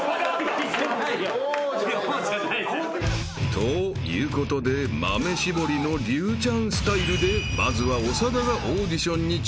［ということで豆絞りの竜ちゃんスタイルでまずは長田がオーディションに挑戦］